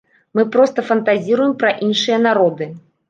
Мы проста фантазіруем пра іншыя народы.